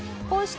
そう。